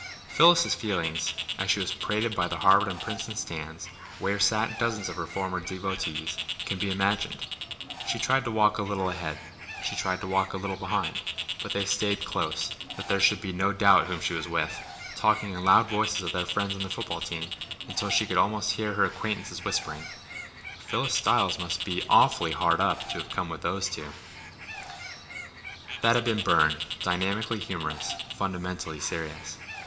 Phyllis's feelings as she was paraded by the Harvard and Princeton stands, where sat dozens of her former devotees, can be imagined. She tried to walk a little ahead, she tried to walk a little behind—but they stayed close, that there should be no doubt whom she was with, talking in loud voices of their friends on the football team, until she could almost hear her acquaintances whispering: "Phyllis Styles must be awfully hard up to have to come with those two." That had been Burne, dynamically humorous, fundamentally serious.